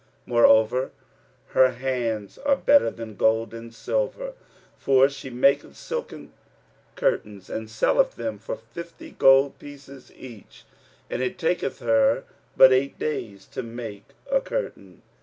Moreover, her hands are better than gold and silver; for she maketh silken curtains and selleth them for fifty gold pieces each; and it taketh her but eight days to make a curtain."